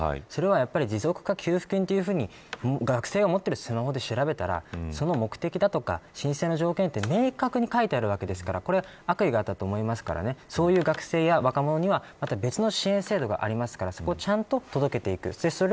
それは、持続化給付金という学生が持っているスマホで調べたら、その目的だとか申請の条件が明確に書いているわけですからこれは悪意があったと思いますからそういう学生や若者には別の支援制度がありますからそこにちゃんと届けていく。